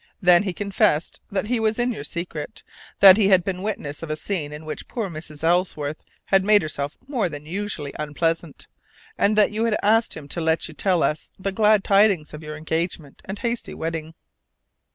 Then he confessed that he was in your secret; that he had been witness of a scene in which poor Mrs. Ellsworth made herself more than usually unpleasant; and that you had asked him to let you tell us the glad tidings of your engagement and hasty wedding.